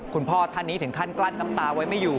คุณพ่อท่านนี้ถึงขั้นกลั้นน้ำตาไว้ไม่อยู่